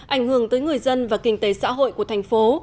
ảnh hưởng tới người dân và kinh tế xã hội của thành phố